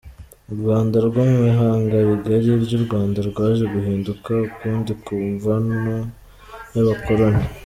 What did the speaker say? U Rwanda rwo mu ihanga rigali ry’Urwanda rwaje guhinduka ukundi kumvano y’abakoloni.